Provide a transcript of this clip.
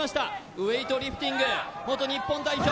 ウエイトリフティング元日本代表